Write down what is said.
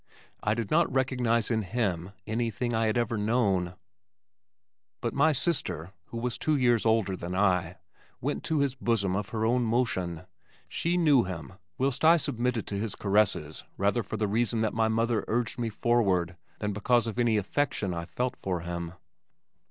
I did not recognize in him anything I had ever known, but my sister, who was two years older than I, went to his bosom of her own motion. She knew him, whilst I submitted to his caresses rather for the reason that my mother urged me forward than because of any affection I felt for him.